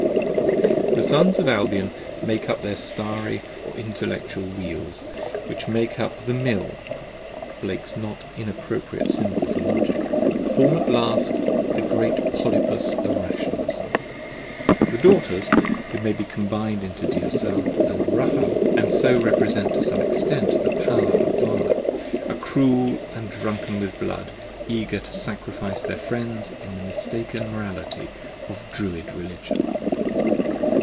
The Sons of Albion with their starry, or intellectual, wheels which make up the Mill (Blake's not inappropriate symbol for Logic!) form at last the great Polypus of rationalism: the Daughters, who may be combined into Tirzah and Rahab, and so represent to some extent the power of Vala, are cruel and drunken with blood, eager to sacrifice their friends in the mistaken morality of " Druid " religion.